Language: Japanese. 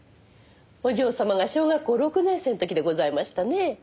お嬢様が小学校６年生の時でございましたね。